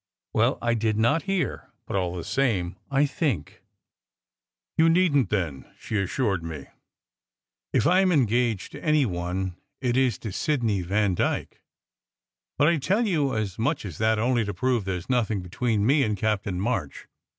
Well, I did not hear, but, all the same, I think." 82 SECRET HISTORY "You needn t, then," she assured me. "If I m engaged to any one, it is to Sidney Vandyke. But I tell you as much as that, only to prove there s nothing between me and Captain March.